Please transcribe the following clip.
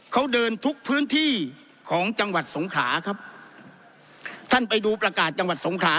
เขาเดินทุกพื้นที่ของจังหวัดสงขลาครับท่านไปดูประกาศจังหวัดสงขลา